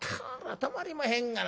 たまりまへんがな。